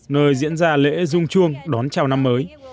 nơi diễn ra lễ rung chuông đón chào năm mới